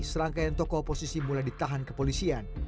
serangkaian tokoh oposisi mulai ditahan kepolisian